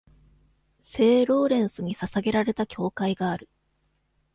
聖ローレンスに捧げられた教会がある。